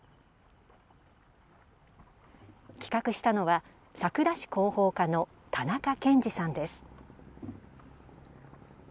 企画したのは佐倉市広報課の田中健治さんです。